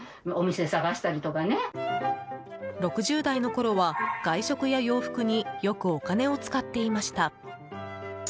６０代のころは、外食や洋服によくお金を使っていました。